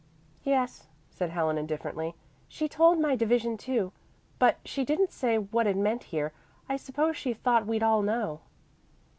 "Yes," said Helen indifferently. "She told my division too, but she didn't say what it meant here. I suppose she thought we'd all know."